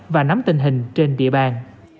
và nắm tình hình trên địa bàn